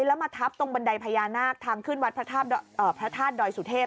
แล้วมาทับตรงบันไดพญานาคทางขึ้นวัดพระธาตุดอยสุเทพ